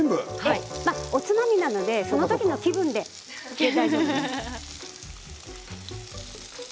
おつまみなので、その時の気分で大丈夫です。